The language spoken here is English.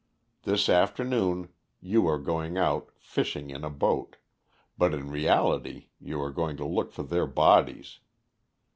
This afternoon you are going out fishing in a boat, but in reality you are going to look for their bodies.